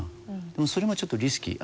でもそれもちょっとリスキー。